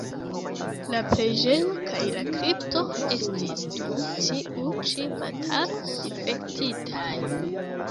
La preĝejo kaj la kripto estis dum tiu ĉi batalo difektitaj.